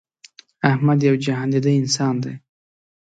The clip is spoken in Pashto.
احمد یو جهان دیده انسان دی.